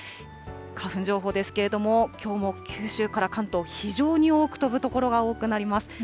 花粉情報ですけれども、きょうも九州から関東、非常に多く飛ぶ所が多くなります。